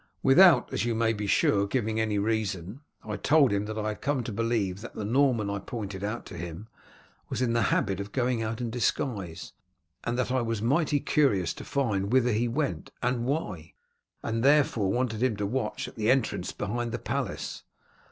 Without, as you may be sure, giving any reason, I told him that I had come to believe that the Norman I pointed out to him was in the habit of going out in disguise, and that I was mightily curious to find whither he went and why, and therefore wanted him to watch, at the entrance behind the palace.